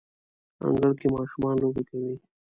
انګړ کې ماشومان لوبې کوي